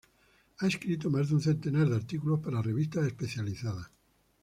Ha escrito más de un centenar de artículos para revistas especializadas.